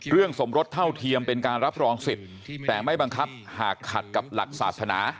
สมรสเท่าเทียมเป็นการรับรองสิทธิ์แต่ไม่บังคับหากขัดกับหลักศาสนา